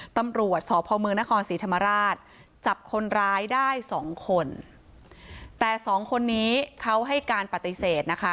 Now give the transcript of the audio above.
ตำรวจสพมนครศรีธรรมราชจับคนร้ายได้สองคนแต่สองคนนี้เขาให้การปฏิเสธนะคะ